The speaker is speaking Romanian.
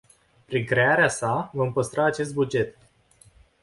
Prin crearea sa, vom păstra acest buget.